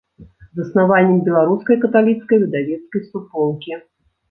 Заснавальнік беларускай каталіцкай выдавецкай суполкі.